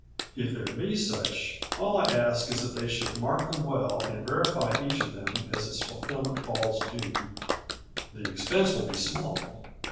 If there be such, all I ask is that they should mark them well and verify each of them as its fulfilment falls due. The expense will be small.